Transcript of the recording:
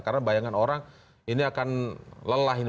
karena bayangan orang ini akan lelah ini